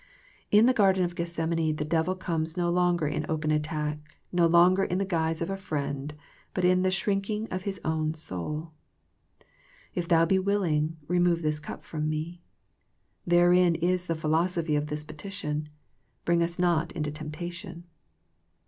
In the garden of Gethsemane the devil comes no longer in open attack, no longer in the guise of a friend, but in the shrinking of His own soul. "If Thou be willing, remove this cup from Me." Therein is the philosophy of this petition, " Bring us not into temptation."